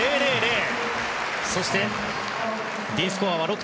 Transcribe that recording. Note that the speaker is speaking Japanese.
そして、Ｄスコアは６．０。